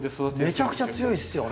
めちゃくちゃ強いっすよね。